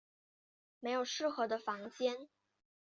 没有适合的房间